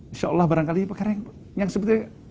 insya allah barangkali ini pekara yang seperti